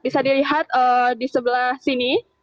bisa dilihat di sebelah sini